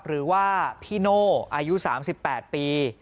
หรือว่าพี่โน่อายุ๓๘ปี